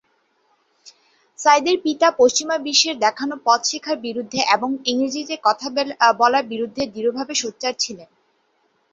সাইদ এর পিতা পশ্চিমা বিশ্বের দেখানো পথ শেখার বিরুদ্ধে এবং ইংরেজিতে কথা বলার বিরুদ্ধে দৃঢ়ভাবে সোচ্চার ছিলেন।